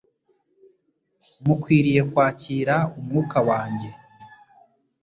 mukwiriye kwakira Umwuka wanjye.